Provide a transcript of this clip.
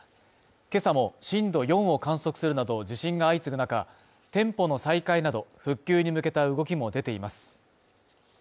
今朝も震度４を観測するなど地震が相次ぐ中、店舗の再開など、復旧に向けた動きも出ています